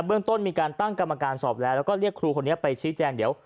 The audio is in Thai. เรื่องต้นมีการตั้งกรรมการสอบแล้วแล้วก็เรียกครูคนนี้ไปชี้แจงเดี๋ยว